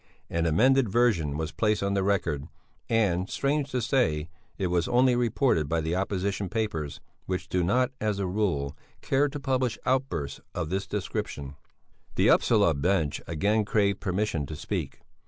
An amended version was placed on the record and, strange to say, it was only reported by the opposition papers which do not, as a rule, care to publish outbursts of this description. The Upsala bench again craved permission to speak.